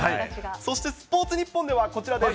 そしてスポーツニッポンでは、こちらです。